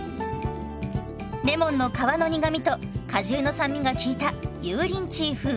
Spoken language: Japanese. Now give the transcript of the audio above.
レモンの皮の苦みと果汁の酸味が効いた油淋鶏風。